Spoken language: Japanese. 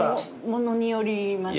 ものによりますね。